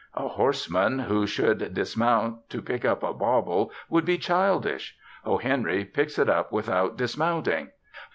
A horseman who should dismount to pick up a bauble would be childish; O. Henry picks it up without dismounting.